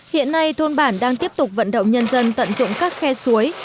hiện nay thôn bản đang tiếp tục vận động nhân dân tận dụng các khe suối